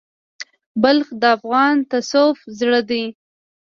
بلخ د افغان تصوف زړه دی.